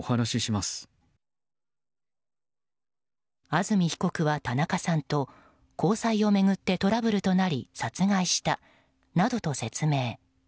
安住被告は田中さんと交際関係を巡ってトラブルとなり殺害したなどと説明。